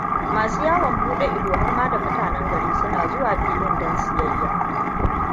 Masu yawon bude ido harma da mutanen gari suna zuwa filin don siyayya.